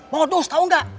modus tahu nggak